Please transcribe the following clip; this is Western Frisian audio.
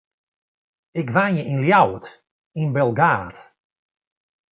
Ik wenje yn Ljouwert, yn Bilgaard.